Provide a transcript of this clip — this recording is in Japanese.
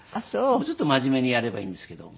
もうちょっと真面目にやればいいんですけど。